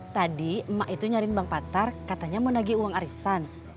tadi emak itu nyariin bank patar katanya mau nagi uang arisan